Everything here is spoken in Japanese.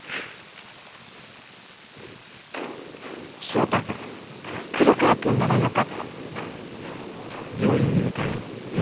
「創太が黒川君ならよかった」。